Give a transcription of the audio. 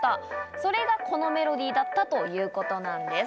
それがこのメロディーだったということなんです。